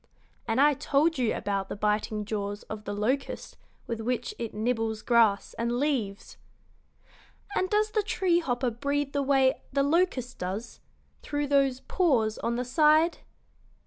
And I told you about the biting jaws of the locust with which it nibbles grass and leaves." "And does the tree hopper breathe the way the locust does through those pores on the side?"